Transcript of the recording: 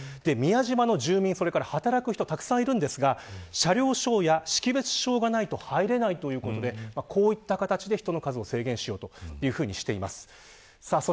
宮島の住民、働く人がたくさんいるんですが車両証や識別証がないと入れないということでこういった形で人の数を制限しようということになっています。